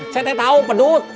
cete tahu pedut